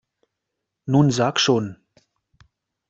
Nun sag schon!